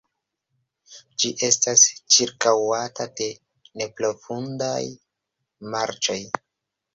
Ĝi estas ĉirkaŭata de neprofundaj marĉoj.